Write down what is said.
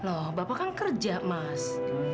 loh bapak kan kerja mas